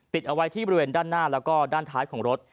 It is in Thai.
เอาไว้ที่บริเวณด้านหน้าแล้วก็ด้านท้ายของรถ